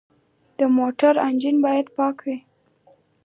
د موټر انجن باید پاک وي.